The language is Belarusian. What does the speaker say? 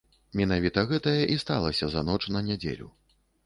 Менавіта гэтае і сталася за ноч на нядзелю.